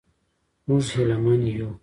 موږ هیله من یو.